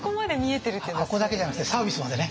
箱だけじゃなくてサービスまでね。